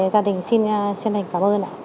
gia đình xin chân thành cảm ơn ạ